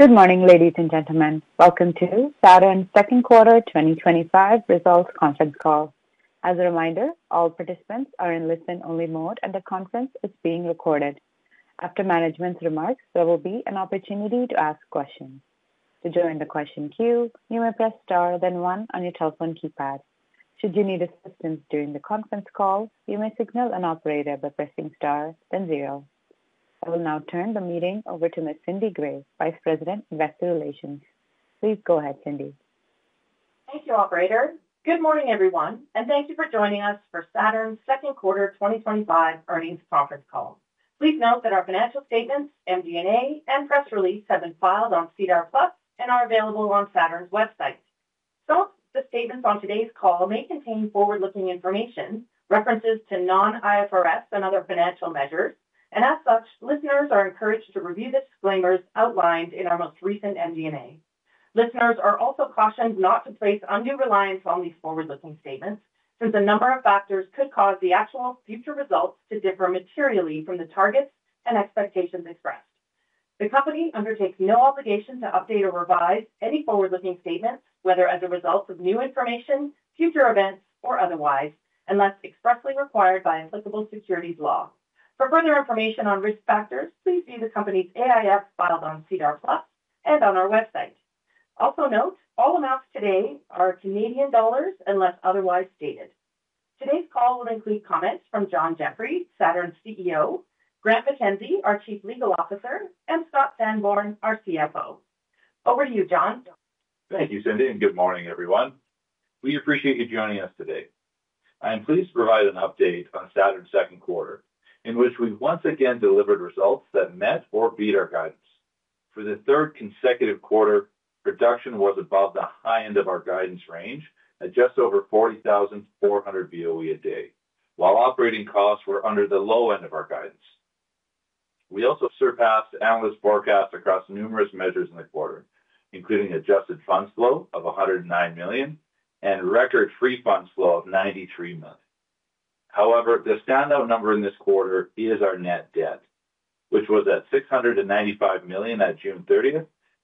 Good morning, ladies and gentlemen. Welcome to the Saturn Oil & Gas second quarter 2025 results conference call. As a reminder, all participants are in listen-only mode, and the conference is being recorded. After management's remarks, there will be an opportunity to ask questions. To join the question queue, you may press star, then one on your telephone keypad. Should you need assistance during the conference call, you may signal an operator by pressing star, then zero. I will now turn the meeting over to Ms. Cindy Gray, Vice President of Investor Relations. Please go ahead, Cindy. Thank you, Operator. Good morning, everyone, and thank you for joining us for Saturn Oil & Gas's second quarter 2025 earnings conference call. Please note that our financial statements, MD&A, and press release have been filed on SEDAR Plus and are available on Saturn's website. Some of the statements on today's call may contain forward-looking information, references to non-IFRS and other financial measures, and as such, listeners are encouraged to review the disclaimers outlined in our most recent MD&A. Listeners are also cautioned not to place undue reliance on these forward-looking statements, since a number of factors could cause the actual future results to differ materially from the targets and expectations expressed. The company undertakes no obligation to update or revise any forward-looking statements, whether as a result of new information, future events, or otherwise, unless expressly required by applicable securities law. For further information on risk factors, please view the company's AIF files on SEDAR Plus and on our website. Also note, all amounts today are in Canadian dollars unless otherwise stated. Today's call will include comments from John Jeffrey, Saturn's CEO, Grant MacKenzie, our Chief Legal Officer, and Scott Sanborn, our CFO. Over to you, John. Thank you, Cindy, and good morning, everyone. We appreciate you joining us today. I am pleased to provide an update on Saturn Oil & Gas's second quarter, in which we once again delivered results that met or beat our guidance. For the third consecutive quarter, production was above the high end of our guidance range at just over 40,400 BOE/d, while operating costs were under the low end of our guidance. We also surpassed analyst forecasts across numerous measures in the quarter, including an adjusted funds flow of 109 million and a record free funds flow of 93 million. However, the standout number in this quarter is our net debt, which was at 695 million at June 30,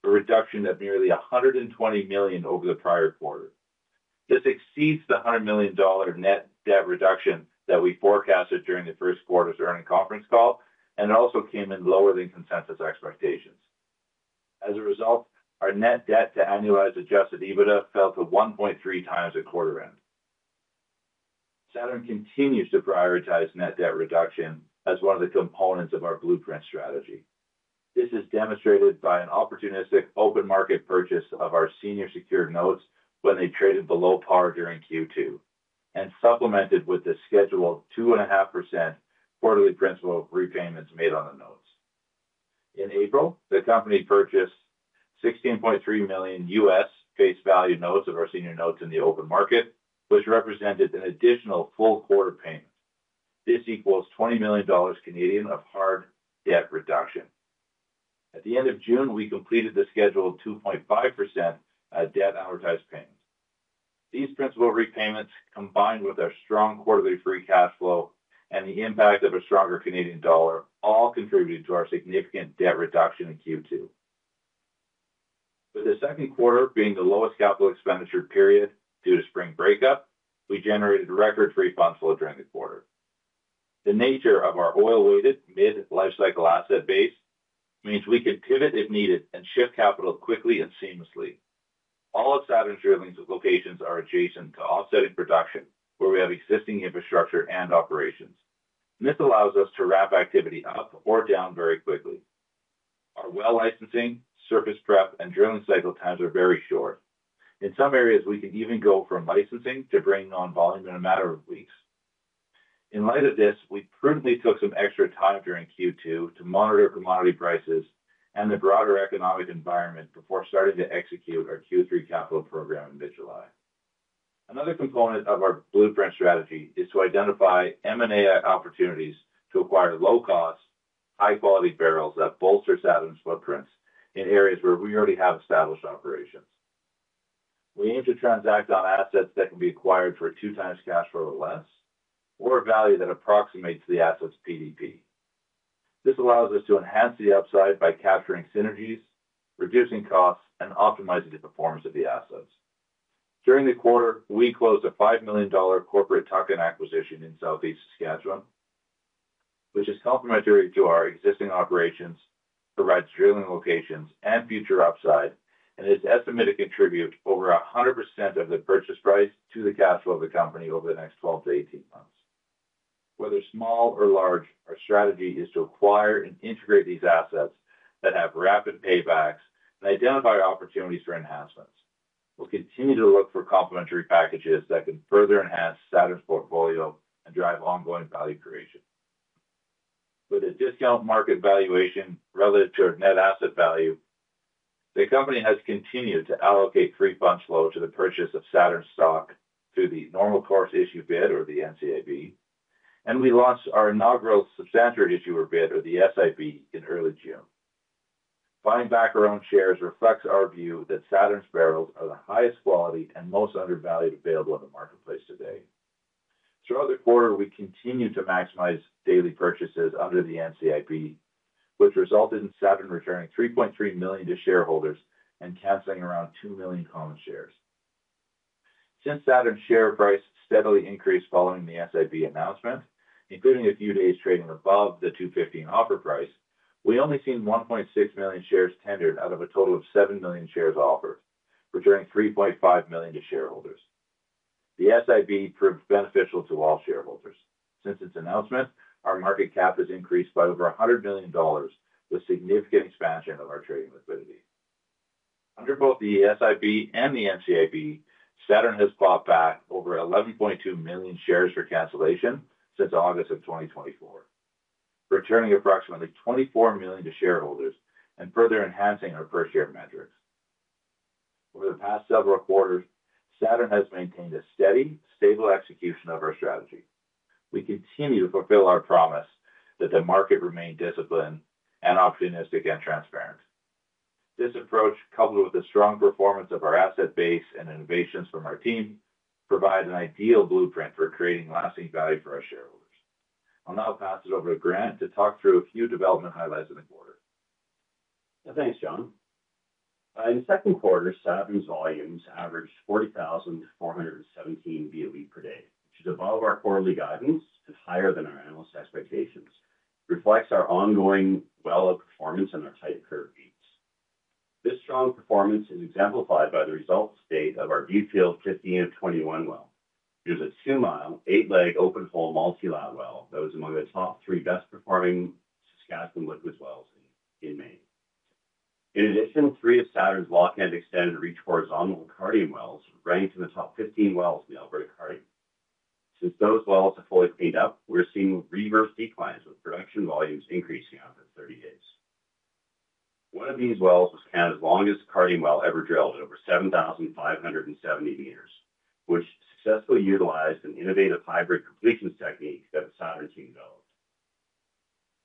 a reduction of nearly 120 million over the prior quarter. This exceeds the $100 million of net debt reduction that we forecasted during the first quarter's earnings conference call and also came in lower than consensus expectations. As a result, our net debt to annualized adjusted EBITDA fell to 1.3x at quarter end. Saturn continues to prioritize net debt reduction as one of the components of our blueprint strategy. This is demonstrated by an opportunistic open market purchase of our senior secured notes when they traded below par during Q2 and supplemented with the scheduled 2.5% quarterly principal repayments made on the notes. In April, the company purchased $16.3 million face value notes of our senior notes in the open market, which represented an additional full quarter payment. This equals 20 million Canadian dollars of hard debt reduction. At the end of June, we completed the scheduled 2.5% debt advertised payment. These principal repayments, combined with our strong quarterly free funds flow and the impact of a stronger Canadian dollar, all contributed to our significant debt reduction in Q2. With the second quarter being the lowest capital expenditure period due to spring breakup, we generated a record free funds flow during the quarter. The nature of our oil-weighted mid-lifecycle asset base means we can pivot if needed and shift capital quickly and seamlessly. All of Saturn's drilling locations are adjacent to offsetting production, where we have existing infrastructure and operations. This allows us to ramp activity up or down very quickly. Our well licensing, surface prep, and drilling cycle times are very short. In some areas, we can even go from licensing to bringing on volume in a matter of weeks. In light of this, we prudently took some extra time during Q2 to monitor commodity prices and the broader economic environment before starting to execute our Q3 capital program in mid-July. Another component of our blueprint strategy is to identify M&A opportunities to acquire low-cost, high-quality barrels that bolster Saturn's footprints in areas where we already have established operations. We aim to transact on assets that can be acquired for two times cash flow or less, or a value that approximates the asset's PDP. This allows us to enhance the upside by capturing synergies, reducing costs, and optimizing the performance of the assets. During the quarter, we closed a 5 million dollar corporate tuck-in acquisition in Southeast Saskatchewan, which is complementary to our existing operations, provides drilling locations and future upside, and is estimated to contribute over 100% of the purchase price to the cash flow of the company over the next 12 to 18 months. Whether small or large, our strategy is to acquire and integrate these assets that have rapid paybacks and identify opportunities for enhancements. We'll continue to look for complementary packages that can further enhance Saturn's portfolio and drive ongoing value creation. With a discounted market valuation relative to its net asset value, the company has continued to allocate free funds flow to the purchase of Saturn stock through the normal course issuer bid, or the NCIB, and we launched our inaugural substantial issuer bid, or the SIB, in early June. Buying back our own shares reflects our view that Saturn's barrels are the highest quality and most undervalued available in the marketplace today. Throughout the quarter, we continued to maximize daily purchases under the NCIB, which resulted in Saturn returning 3.3 million to shareholders and canceling around 2 million owned shares. Since Saturn's share price steadily increased following the SIB announcement, including a few days trading above the 2.15 offer price, we only saw 1.6 million shares tendered out of a total of 7 million shares offered, returning 3.5 million to shareholders. The SIB proves beneficial to all shareholders. Since its announcement, our market cap has increased by over $100 million, with significant expansion of our trading liquidity. Under both the SIB and the NCIB, Saturn has bought back over 11.2 million shares for cancellation since August of 2024, returning approximately 24 million to shareholders and further enhancing our per-share metrics. Over the past several quarters, Saturn has maintained a steady, stable execution of our strategy. We continue to fulfill our promise that the market remains disciplined, optimistic, and transparent. This approach, coupled with the strong performance of our asset base and innovations from our team, provides an ideal blueprint for creating lasting value for our shareholders. I'll now pass it over to Grant to talk through a few development highlights in the quarter. Thanks, John. In the second quarter, Saturn's volumes averaged 40,417 BOE/d, which is above our quarterly guidance and higher than our analyst expectations. It reflects our ongoing well performance and our tight curve beams. This strong performance is exemplified by the results to date of our D-Field 50M21 well, which is a two-mile, eight-leg open-hole multi-lateral well that was among the top three best-performing Saskatchewan liquids wells in May. In addition, three of Saturn's Viking extended-reach horizontal Cardium wells ranked in the top 15 wells in the operating Cardium. Since those wells are fully cleaned up, we're seeing reverse declines with production volumes increasing after 30 days. One of these wells was the longest Cardium well ever drilled, over 7,570 m, which successfully utilized an innovative hybrid completions technique that the Saturn team developed.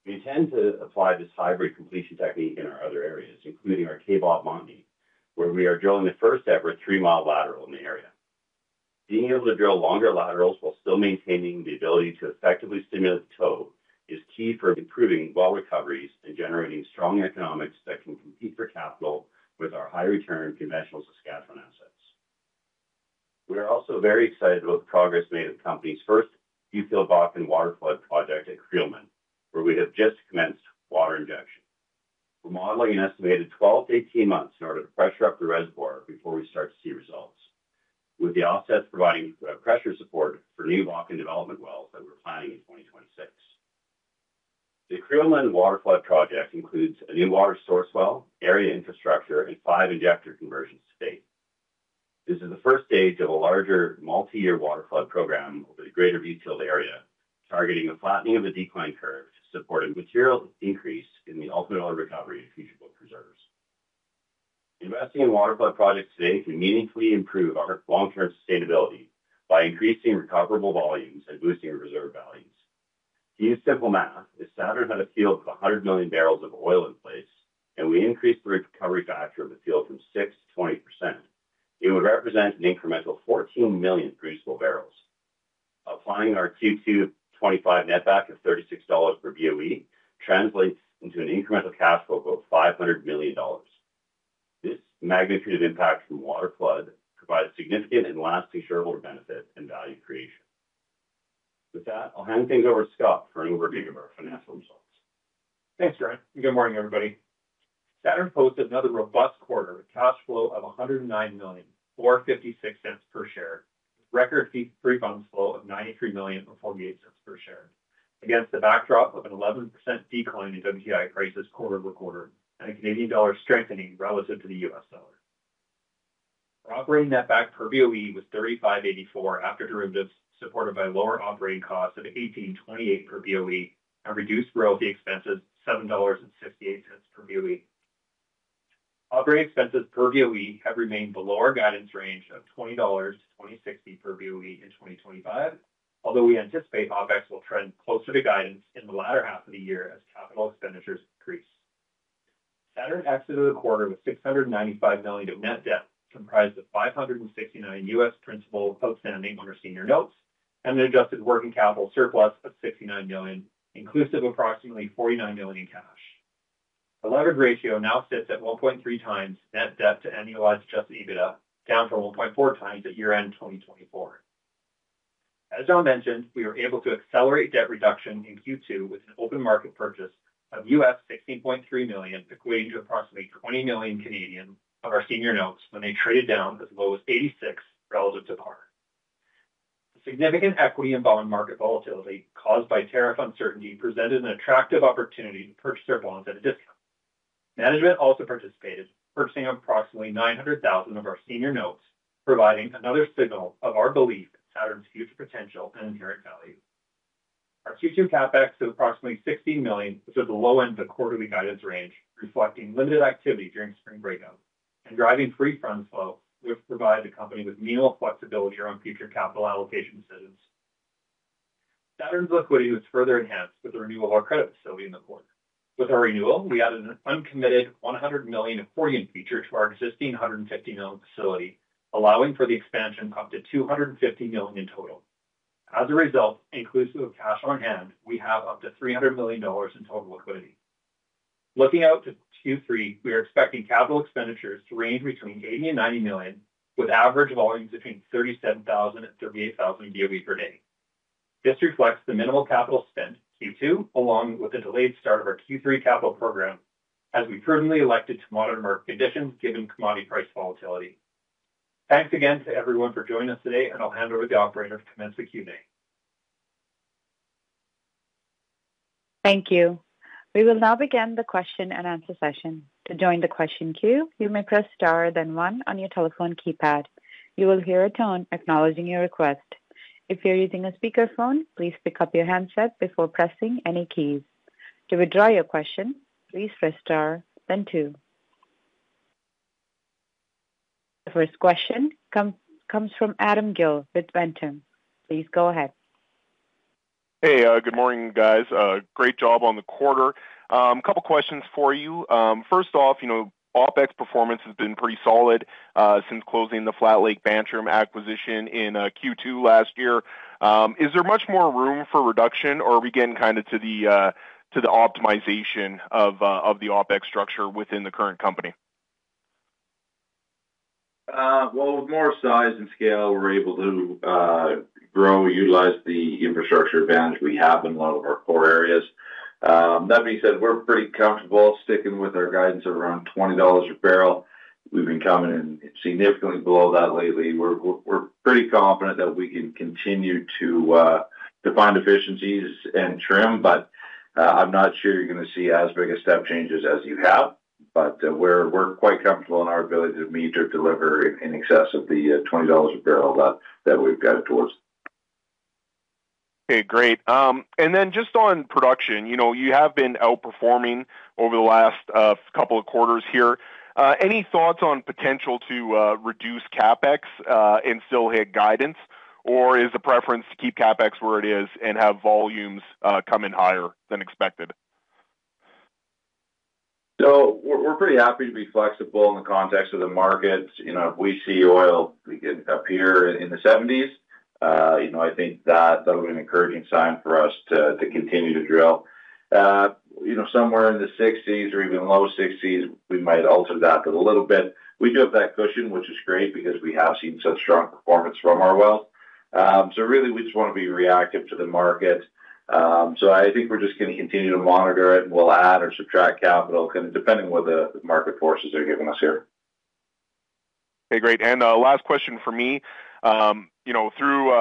We intend to apply this hybrid completions technique in our other areas, including our Kaybob Montney, where we are drilling the first ever three-mile lateral in the area. Being able to drill longer laterals while still maintaining the ability to effectively stimulate the toe is key for improving well recoveries and generating strong economics that can compete for capital with our high-return conventional Saskatchewan assets. We are also very excited about the progress made in the company's first D-Field block and waterflood project at Creelman, where we have just commenced water injection. We're modeling an estimated 12 to 18 months in order to pressure up the reservoir before we start to see results, with the offsets providing pressure support for new block and development wells that we're planning in 2026. The Creelman waterflood project includes a new large source well, area infrastructure, and five injector conversions to date. This is the first stage of a larger multi-year waterflood program over the greater D-Field area, targeting a flattening of the decline curve to support a material increase in the ultimate oil recovery and future book reserves. Investing in waterflood projects today can meaningfully improve our long-term sustainability by increasing recoverable volumes and boosting our reserve values. To use simple math, if Saturn had a field of 100 million barrels of oil in place and we increased the recovery factor of the field from 6%-20%, it would represent an incremental 14 million producible barrels. Applying our Q2 2025 netback of 36 dollars per BOE translates into an incremental cash flow of over 500 million dollars. This magnitude of impact from the waterflood provides significant and lasting shareholder benefit and value creation. With that, I'll hand things over to Scott for an overview of our financial results. Thanks, Grant. Good morning, everybody. Saturn posted another robust quarter with a cash flow of 109 million, or 0.56 per share, record free funds flow of 93 million, or 0.48 per share, against the backdrop of an 11% decline in WTI prices quarter-by-quarter and a Canadian dollar strengthening relative to the U.S. dollar. Our operating net back per BOE was 35.84 after derivatives, supported by lower operating costs of 18.28 per BOE and reduced royalty expenses of 7.58 per BOE. Operating expenses per BOE have remained below our guidance range of 20–20.60 dollars per BOE in 2025, although we anticipate OpEx will trend closer to guidance in the latter half of the year as capital expenditures increase. Saturn exited the quarter with 695 million of net debt, comprised of $569 million. principal outstanding under senior notes and an adjusted working capital surplus of 69 million, inclusive of approximately 49 million in cash. The leverage ratio now sits at 1.3 times net debt to annualized adjusted EBITDA, down from 1.4x at year-end 2024. As John mentioned, we were able to accelerate debt reduction in Q2 with an open market purchase of 16.3 million U.S., equating to approximately 20 million Canadian of our senior notes when they traded down as low as 86 million relative to par. The significant equity and bond market volatility caused by tariff uncertainty presented an attractive opportunity to purchase our bonds at a discount. Management also participated in purchasing approximately 900,000 of our senior notes, providing another signal of our belief in Saturn's future potential and inherent value. Our Q2 CapEx grew approximately 16 million, which was at the low end of the quarterly guidance range, reflecting limited activity during spring breakup and driving free funds flow, which provided the company with minimal flexibility around future capital allocation decisions. Saturn's liquidity was further enhanced with the renewal of our credit facility in the quarter. With our renewal, we added an uncommitted 100 million accordion feature to our existing 150 million facility, allowing for the expansion of up to 250 million in total. As a result, inclusive of cash on hand, we have up to 300 million dollars in total liquidity. Looking out to Q3, we are expecting capital expenditures to range between 80 million and 90 million, with average volumes between 37,000 and 38,000 BOE per day. This reflects the minimal capital spent in Q2, along with the delayed start of our Q3 capital program, as we prudently elected to monitor our conditions given commodity price volatility. Thanks again to everyone for joining us today, and I'll hand over to the operator to commence the Q&A. Thank you. We will now begin the question and answer session. To join the question queue, you may press star, then one on your telephone keypad. You will hear a tone acknowledging your request. If you're using a speakerphone, please pick up your handset before pressing any key. To withdraw your question, please press star, then two. The first question comes from Adam Gill with Ventum. Please go ahead. Hey, good morning, guys. Great job on the quarter. A couple of questions for you. First off, you know OpEx performance has been pretty solid since closing the Flat Lake Bantam acquisition in Q2 last year. Is there much more room for reduction, or are we getting kind of to the optimization of the OpEx structure within the current company? With more size and scale, we're able to grow and utilize the infrastructure advantage we have in a lot of our core areas. That being said, we're pretty comfortable sticking with our guidance of around 20 dollars a barrel. We've been coming in significantly below that lately. We're pretty confident that we can continue to find efficiencies and trim, though I'm not sure you're going to see as big a step change as you have. We're quite comfortable in our ability to meet or deliver in excess of the 20 dollars a barrel that we've gotten towards. Okay, great. Just on production, you know, you have been outperforming over the last couple of quarters here. Any thoughts on the potential to reduce CapEx and still hit guidance, or is the preference to keep CapEx where it is and have volumes come in higher than expected? We're pretty happy to be flexible in the context of the markets. If we see oil getting up here in the CAD 70s, I think that's an encouraging sign for us to continue to drill. Somewhere in the CAD 60s or even low CAD 60s, we might alter that a little bit. We do have that cushion, which is great because we have seen such strong performance from our well. We just want to be reactive to the market. I think we're just going to continue to monitor it and we'll add or subtract capital depending on what the market forces are giving us here. Okay, great. Last question for me. You know, through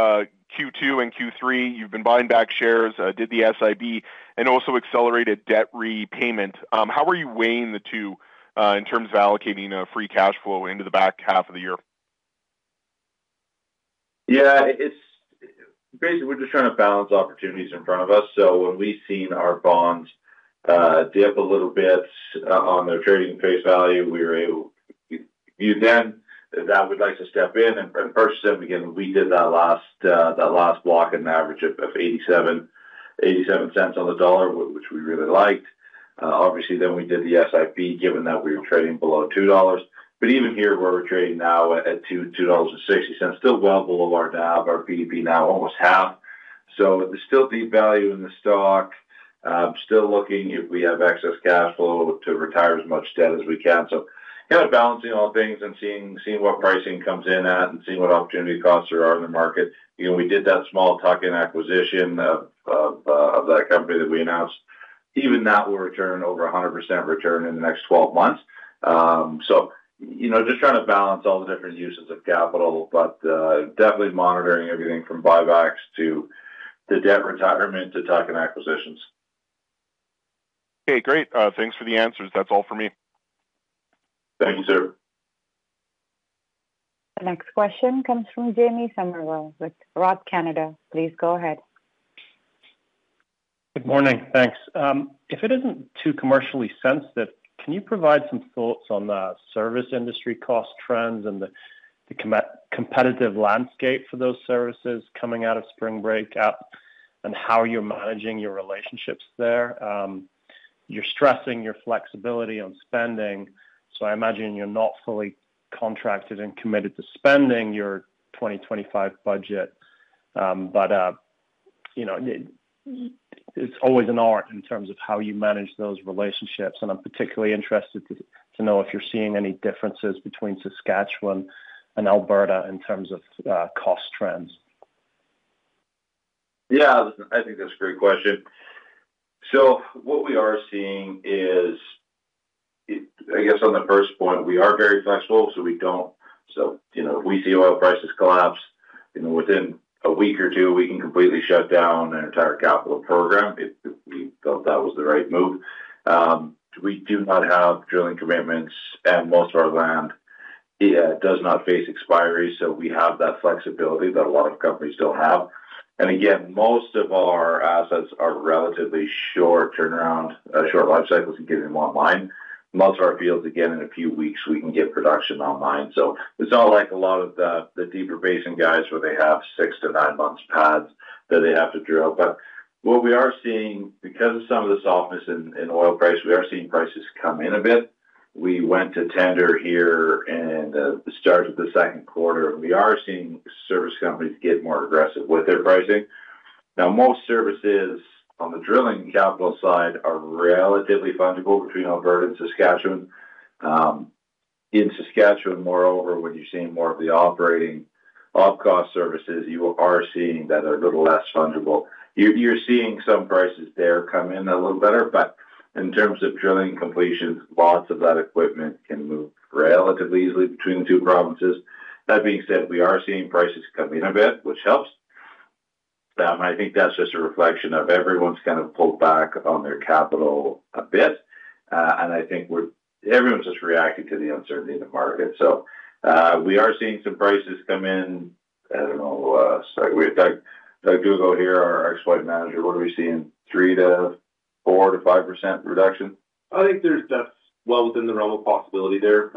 Q2 and Q3, you've been buying back shares, did the SIB, and also accelerated debt repayment. How are you weighing the two in terms of allocating free cash flow into the back half of the year? Yeah, it's basically we're just trying to balance opportunities in front of us. When we've seen our bonds dip a little bit on their trading face value, we were able to view them. We'd like to step in and purchase them again. We did that last block at an average of 0.87 on the dollar, which we really liked. Obviously, then we did the SIB given that we were trading below 2 dollars. Even here, where we're trading now at 2.60 dollars, still well below our NAV, our NAV now almost half. It's still devaluing the stock. I'm still looking if we have excess cash flow to retire as much debt as we can. Kind of balancing all things and seeing what pricing comes in at and seeing what opportunity costs there are in the market. We did that small tuck-in acquisition of that company that we announced. Even that will return over 100% return in the next 12 months. Just trying to balance all the different uses of capital, but definitely monitoring everything from buybacks to the debt retirement to tuck-in acquisitions. Okay, great. Thanks for the answers. That's all for me. Thank you, sir. The next question comes from Jamie Somerville with RBC Capital. Please go ahead. Good morning. Thanks. If it isn't too commercially sensitive, can you provide some thoughts on the service industry cost trends and the competitive landscape for those services coming out of spring break up and how you're managing your relationships there? You're stressing your flexibility on spending. I imagine you're not fully contracted and committed to spending your 2025 budget. You know, it's always an art in terms of how you manage those relationships. I'm particularly interested to know if you're seeing any differences between Saskatchewan and Alberta in terms of cost trends. Yeah, I think that's a great question. What we are seeing is, on the first point, we are very flexible. We see oil prices collapse. Within a week or two, we can completely shut down an entire capital program if we felt that was the right move. We do not have drilling commitments and most of our land does not face expiry. We have that flexibility that a lot of companies don't have. Most of our assets are relatively short turnaround, short lifecycles in getting them online. Most of our fields, in a few weeks, we can get production online. It's not like a lot of the deeper basin guys where they have six to nine months pads that they have to drill. Because of some of the softness in oil price, we are seeing prices come in a bit. We went to tender here and it started with the second quarter. We are seeing service companies get more aggressive with their pricing. Most services on the drilling capital side are relatively fungible between Alberta and Saskatchewan. In Saskatchewan, moreover, when you're seeing more of the operating up-cost services, you are seeing that they're a little less fungible. You're seeing some prices there come in a little better, but in terms of drilling and completion, lots of that equipment can move relatively easily between the two provinces. That being said, we are seeing prices come in a bit, which helps. I think that's just a reflection of everyone's kind of pulled back on their capital a bit. I think everyone's just reacting to the uncertainty in the market. We are seeing some prices come in. I don't know, Doug Duggo here, our exploit manager, what are we seeing? 3% to 4% to 5% reduction? I think that's well within the realm of possibility. They're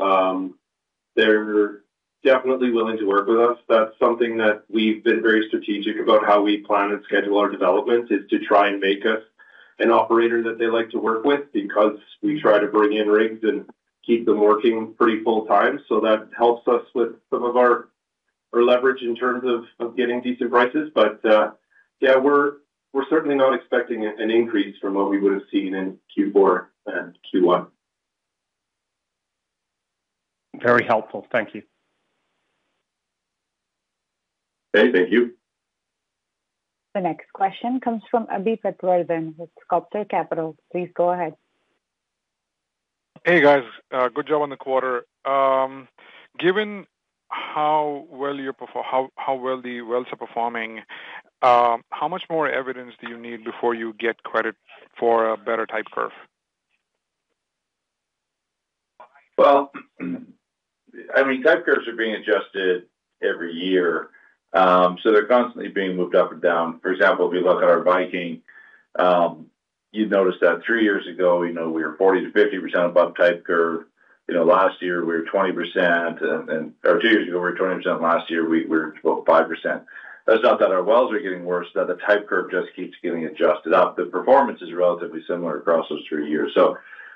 definitely willing to work with us. That's something that we've been very strategic about, how we planned and scheduled our developments, to try and make us an operator that they like to work with because we try to bring in rigs and keep them working pretty full time. That helps us with some of our leverage in terms of getting decent prices. We're certainly not expecting an increase from what we would have seen in Q4 and Q1. Very helpful. Thank you. Okay, thank you. The next question comes from Abhishek Peatwardhan with Sculptor Capital. Please go ahead. Hey guys, good job on the quarter. Given how well you're performing, how well the wells are performing, how much more evidence do you need before you get credit for a better type curve? Type curves are being adjusted every year. They're constantly being moved up and down. For example, if you look at our Viking, you notice that three years ago, we were 40 to 50% above the type curve. You know, two years ago we were 20%. Last year we were about 5%. It's not that our wells are getting worse, the type curve just keeps getting adjusted up. The performance is relatively similar across those three years.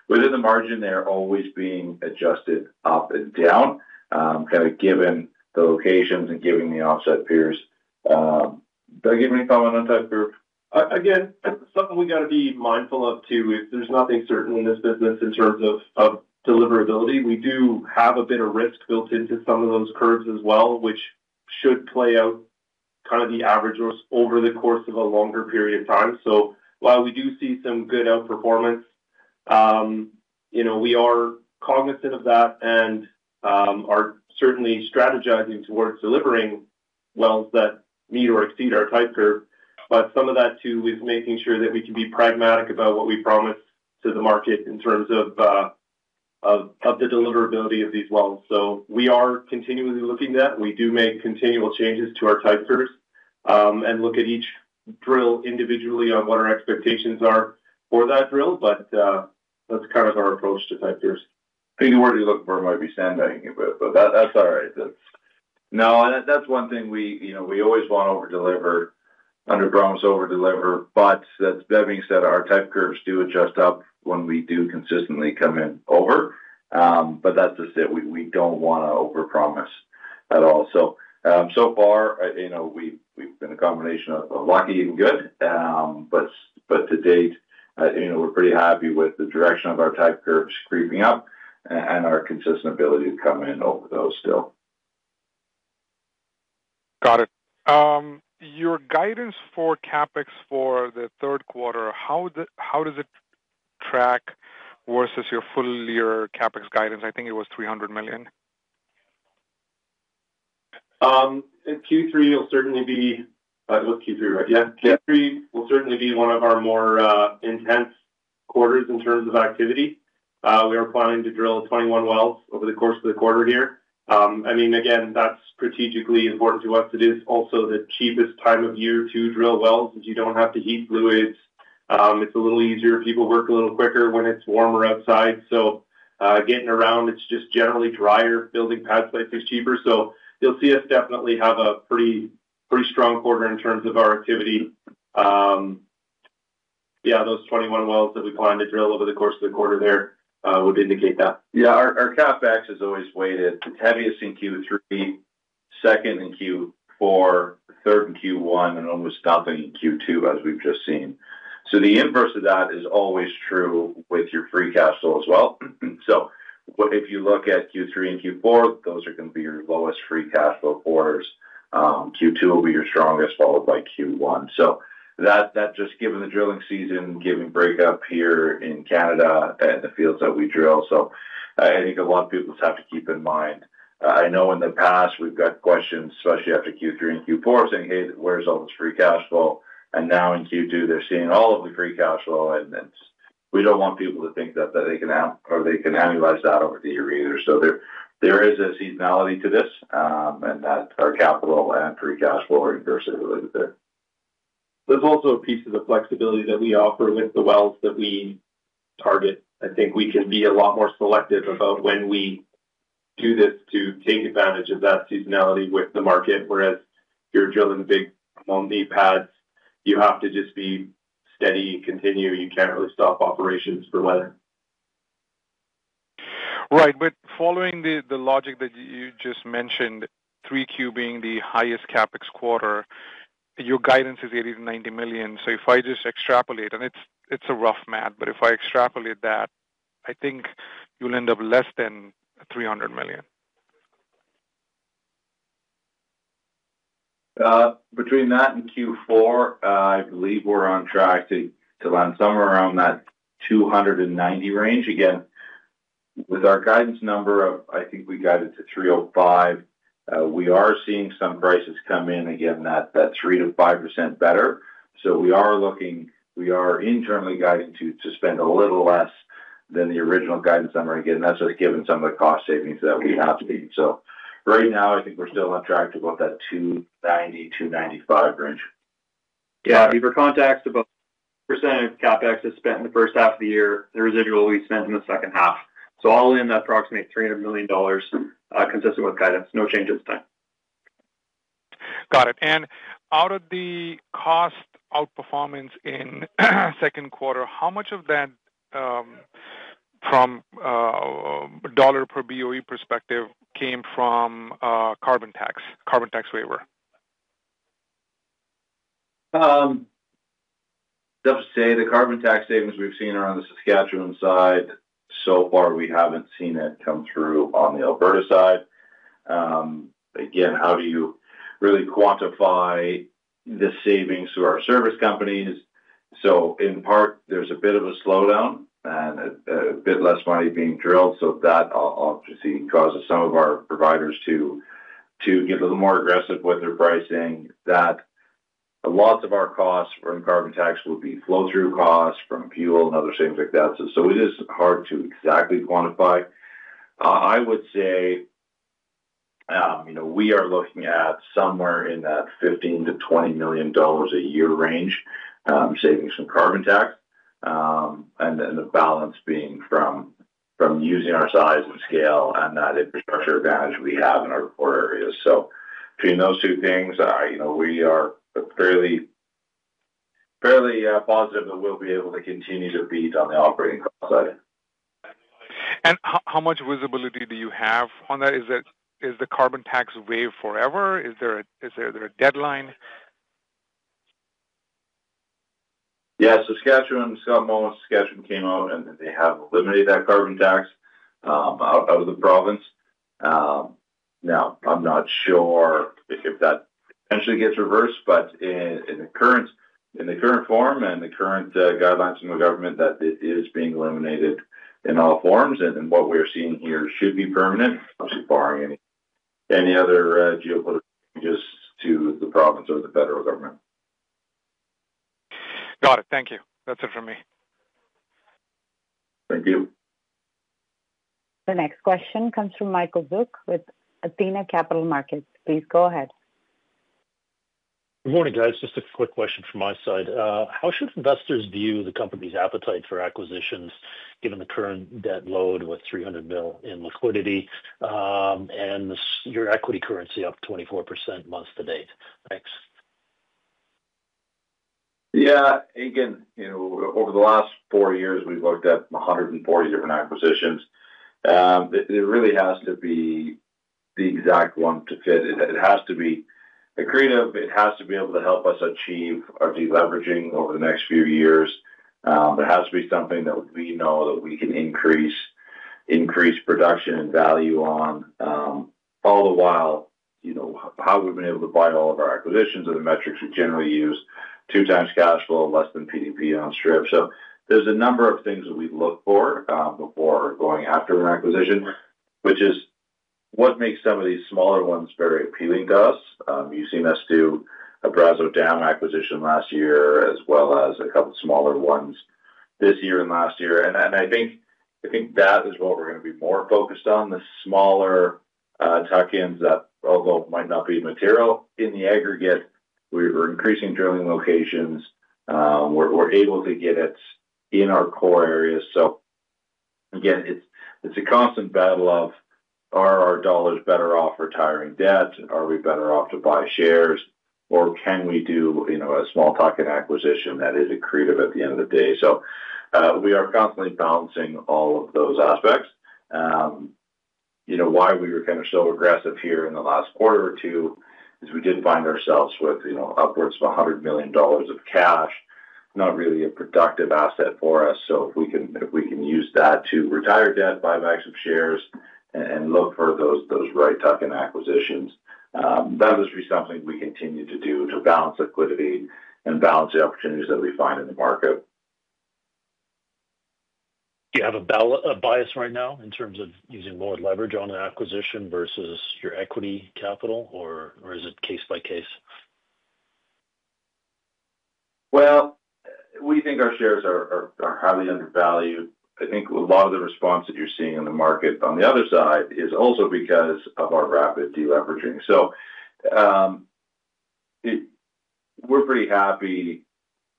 Within the margin, they're always being adjusted up and down, kind of given the locations and given the offset pairs. Doug, do you have any comment on type curve? Again, it's something we got to be mindful of too. There's nothing certain in this business in terms of deliverability. We do have a bit of risk built into some of those curves as well, which should play out kind of the average risk over the course of a longer period of time. While we do see some good outperformance, we are cognizant of that and are certainly strategizing towards delivering wells that meet or exceed our type curve. Some of that too is making sure that we can be pragmatic about what we promise to the market in terms of the deliverability of these wells. We are continually looking at that. We do make continual changes to our type curves and look at each drill individually on what our expectations are for that drill. That's kind of our approach to type curves. I think the word you're looking for might be sandbagging it, but that's all right. That's one thing we, you know, we always want to over-deliver, under-promise, over-deliver. That being said, our type curves do adjust up when we do consistently come in over. That's just it. We don't want to over-promise at all. So far, you know, we've been a combination of lucky and good. To date, you know, we're pretty happy with the direction of our type curves creeping up and our consistent ability to come in over those still. Got it. Your guidance for CAPEX for the third quarter, how does it track versus your full year CAPEX guidance? I think it was 300 million. In Q3, it was Q3, right? Yeah. Q3 will certainly be one of our more intense quarters in terms of activity. We are planning to drill 21 wells over the course of the quarter here. Again, that's strategically important to us. It is also the cheapest time of year to drill wells because you don't have to heat fluids. It's a little easier. People work a little quicker when it's warmer outside. Getting around, it's just generally drier. Building pad sites is cheaper. You'll see us definitely have a pretty, pretty strong quarter in terms of our activity. Those 21 wells that we plan to drill over the course of the quarter there would indicate that. Yeah, our CAPEX is always weighted the heaviest in Q3, second in Q4, third in Q1, and almost nothing in Q2, as we've just seen. The inverse of that is always true with your free cash flow as well. If you look at Q3 and Q4, those are going to be your lowest free cash flow quarters. Q2 will be your strongest, followed by Q1. That is just given the drilling season, given breakup here in Canada and the fields that we drill. I think a lot of people just have to keep in mind. I know in the past we've got questions, especially after Q3 and Q4, saying, "Hey, where's all this free cash flow?" Now in Q2, they're seeing all of the free cash flow. We don't want people to think that they can analyze that over the year either. There is a seasonality to this, and that our capital and free cash flow are inversely related there. There's also a piece of the flexibility that we offer with the wells that we target. I think we can be a lot more selective about when we do this to take advantage of that seasonality with the market. Whereas you're drilling big monthly pads, you have to just be steady, continue. You can't really stop operations for weather. Right. Following the logic that you just mentioned, 3Q being the highest CapEx quarter, your guidance is 80 million-90 million. If I just extrapolate, and it's a rough math, but if I extrapolate that, I think you'll end up less than 300 million. Between that and Q4, I believe we're on track to land somewhere around that 290 million range. Again, with our guidance number, I think we got it to 305 million. We are seeing some prices come in again, that 3%-5% better. We are looking, we are internally guided to spend a little less than the original guidance number. That's just given some of the cost savings that we have seen. Right now, I think we're still on track to about that 290 million-295 million range. Yeah, I mean, for context, about 1% of capital expenditures (CAPEX) is spent in the first half of the year, the residual will be spent in the second half. All in, that's approximately 300 million dollars, consistent with guidance. No change at this time. Got it. Out of the cost outperformance in the second quarter, how much of that from a dollar per BOE perspective came from carbon tax, carbon tax waiver? I'd have to say the carbon tax savings we've seen are on the Saskatchewan side. So far, we haven't seen it come through on the Alberta side. Again, how do you really quantify the savings to our service companies? In part, there's a bit of a slowdown and a bit less money being drilled. That obviously causes some of our providers to get a little more aggressive with their pricing. Lots of our costs from carbon tax will be flow-through costs from fuel and other things like that. It's just hard to exactly quantify. I would say, you know, we are looking at somewhere in that 15 million-20 million dollars a year range savings from carbon tax. The balance being from using our size of scale and that infrastructure advantage we have in our core areas. Between those two things, you know, we are fairly positive that we'll be able to continue to beat on the operating side. How much visibility do you have on that? Is the carbon tax waived forever? Is there a deadline? Yeah, Saskatchewan, Scott Sanborn of Saskatchewan came out and they have eliminated that carbon tax out of the province. I'm not sure if that eventually gets reversed, but in the current form and the current guidelines from the government, this is being eliminated in all forms. What we're seeing here should be permanent, obviously barring any other geopolitical issues to the province. Got it. Thank you. That's it for me. The next question comes from Michael Zuk with Athena Capital Markets. Please go ahead. Good morning, guys. Just a quick question from my side. How should investors view the company's appetite for acquisitions given the current debt load with 300 million in liquidity and your equity currency up 24% month to date? Thanks. Yeah, again, over the last four years, we've looked at 140 different acquisitions. It really has to be the exact one to fit. It has to be accretive. It has to be able to help us achieve our deleveraging over the next few years. There has to be something that we know that we can increase production and value on. All the while, how we've been able to buy all of our acquisitions are the metrics we generally use: two times cash flow, less than PDP on strip. There's a number of things that we've looked for before going after an acquisition, which is what makes some of these smaller ones very appealing to us. You've seen us do a Creelman acquisition last year, as well as a couple of smaller ones this year and last year. I think that is what we're going to be more focused on, the smaller tuck-ins that although might not be material in the aggregate, we're increasing drilling locations. We're able to get it in our core areas. Again, it's a constant battle of, are our dollars better off retiring debt? Are we better off to buy shares? Or can we do a small tuck-in acquisition that is accretive at the end of the day? We are constantly balancing all of those aspects. Why we were kind of so aggressive here in the last quarter or two is we did find ourselves with upwards of 100 million dollars of cash, not really a productive asset for us. If we can use that to retire debt, buy back some shares, and look for those right tuck-in acquisitions, that'll just be something we continue to do to balance liquidity and balance the opportunities that we find in the market. Do you have a bias right now in terms of using lower leverage on an acquisition versus your equity capital, or is it case by case? Our shares are highly undervalued. I think a lot of the response that you're seeing in the market on the other side is also because of our rapid deleveraging. We're pretty happy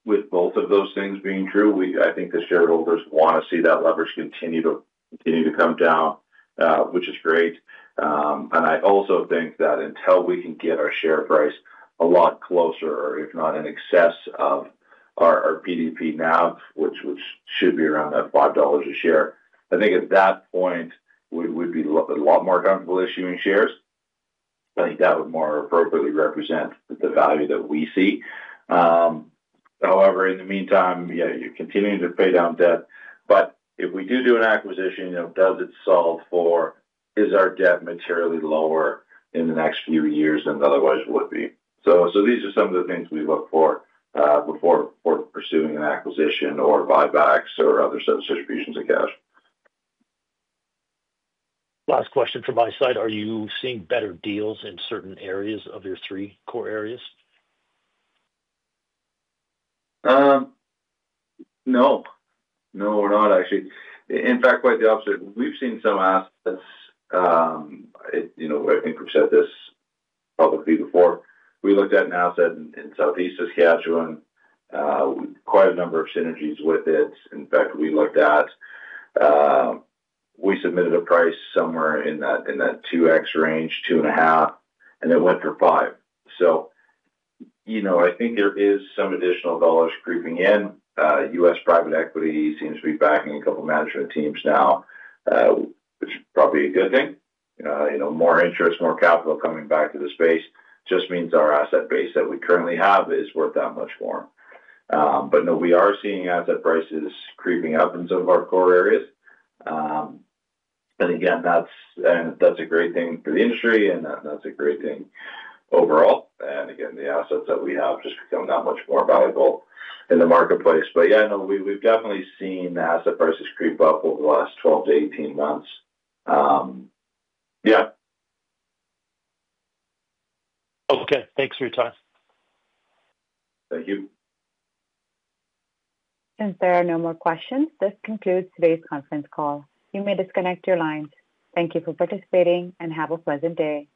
with both of those things being true. I think the shareholders want to see that leverage continue to come down, which is great. I also think that until we can get our share price a lot closer, or if not in excess of our PDP now, which should be around that 5 dollars a share, at that point we'd be a lot more comfortable issuing shares. I think that would more appropriately represent the value that we see. However, in the meantime, you're continuing to pay down debt. If we do do an acquisition, you know, does it solve for, is our debt materially lower in the next few years than it otherwise would be? These are some of the things we look for before pursuing an acquisition or buybacks or other sort of distributions of cash. Last question from my side. Are you seeing better deals in certain areas of your three core areas? No, we're not actually. In fact, quite the opposite. We've seen some assets. I think we've said this publicly before. We looked at an asset in Southeast Saskatchewan, quite a number of synergies with it. In fact, we looked at it, we submitted a price somewhere in that 2x range, 2.5, and it went for 5. I think there are some additional dollars creeping in. U.S. private equity seems to be backing a couple of management teams now, which is probably a good thing. More interest, more capital coming back to the space just means our asset base that we currently have is worth that much more. No, we are seeing asset prices creeping up in some of our core areas. That's a great thing for the industry, and that's a great thing overall. The assets that we have just become that much more valuable in the marketplace. We've definitely seen asset prices creep up over the last 12 to 18 months. Okay, thanks for your time. Thank you. Since there are no more questions, this concludes today's conference call. You may disconnect your lines. Thank you for participating and have a pleasant day.